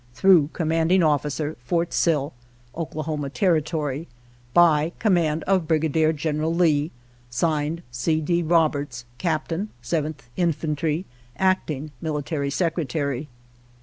(Thro' Commanding Officer, Fort Sill, O. T.) By Command of Brigadier General Lee. (Signed) C. D. Roberts, Captain, 7th Infantry, Acting Military Secretary.